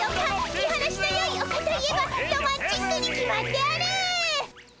見晴らしのよいおかといえばロマンチックに決まっておる！